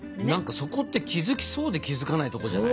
そこって気付きそうで気付かないとこじゃない？